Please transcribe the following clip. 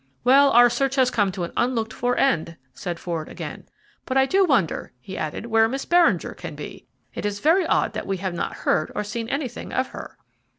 "Well, our search has come to an unlooked for end," said Ford again; "but I do wonder," he added, "where Miss Beringer can be. It is very odd that we have not heard or seen anything of her."